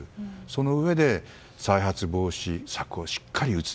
そのうえで再発防止策を策をしっかり打つ。